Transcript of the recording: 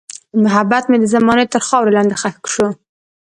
محبت مې د زمان تر خاورې لاندې ښخ شو.